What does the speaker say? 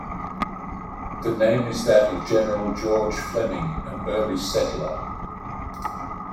The name is that of General George Fleming, an early settler.